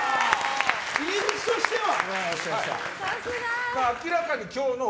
入り口としては。